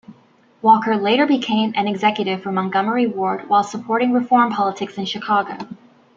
Walker later became an executive for Montgomery Ward while supporting reform politics in Chicago.